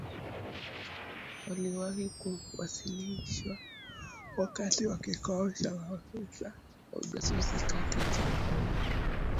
Waliwahi kuwasilishwa wakati wa kikao cha maafisa wa ujasusi kati ya Jamhuri ya Kidemokrasia ya Kongo na Rwanda, Februari ishirini na nane mwaka elfu mbili ishirini na mbili